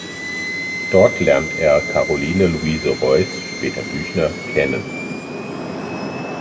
Dort lernt er Caroline Louise Reuß (später Büchner) kennen.